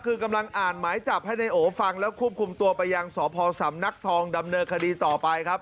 คือกำลังอ่านหมายจับให้นายโอฟังแล้วควบคุมตัวไปยังสพสำนักทองดำเนินคดีต่อไปครับ